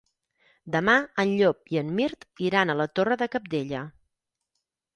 Demà en Llop i en Mirt iran a la Torre de Cabdella.